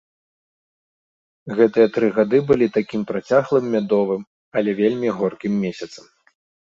Гэтыя тры гады былі такім працяглым мядовым, але вельмі горкім месяцам.